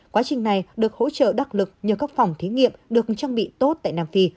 quá trình này được hỗ trợ đắc lực nhờ các phòng thí nghiệm được trang bị tốt tại nam phi